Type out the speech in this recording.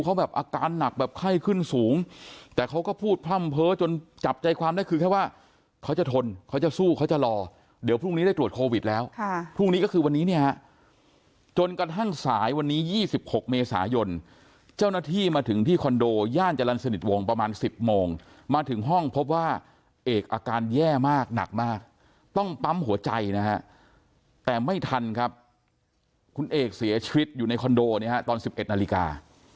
เขาสู้เขาจะรอเดี๋ยวพรุ่งนี้ได้ตรวจโควิดแล้วพรุ่งนี้ก็คือวันนี้เนี่ยจนกระทั่งสายวันนี้๒๖เมษายนเจ้าหน้าที่มาถึงที่คอนโดย่านจรรย์สนิทวงประมาณ๑๐โมงมาถึงห้องพบว่าเอกอาการแย่มากหนักมากต้องปั๊มหัวใจนะครับแต่ไม่ทันครับคุณเอกเสียชีวิตอยู่ในคอนโดเนี่ยตอน๑๑นาฬิกา